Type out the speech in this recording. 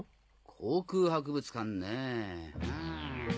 航空博物館ねぇうん。